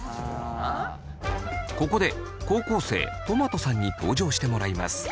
ここで高校生とまとさんに登場してもらいます。